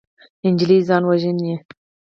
نجلۍ ځان وژني.